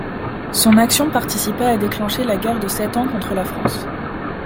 Son action participa à déclencher la Guerre de Sept Ans contre la France.